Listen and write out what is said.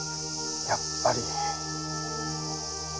やっぱり。